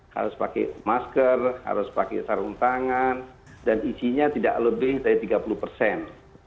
harus pakai masker harus pakai sarung tangan dan isinya tidak lebih dari tiga puluh persen